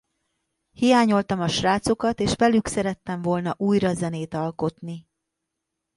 Hiányoltam a srácokat és velük szerettem volna újra zenét alkotni.